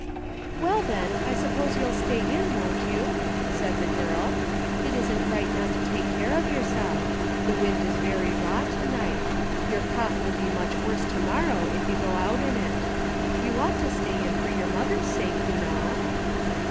"Well, then, I suppose you'll stay in, won't you ?" said the girl. " It isn't right not to take care of yourself. The wind is very raw A DAILY RATE. 51 to night. Your cough will be much worse to morrow if you go out in it. You ought to stay in for your mother's sake, you know."